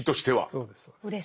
そうです。